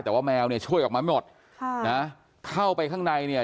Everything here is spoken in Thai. แต่ว่าแมวเนี่ยช่วยออกมาไม่หมดค่ะนะเข้าไปข้างในเนี่ย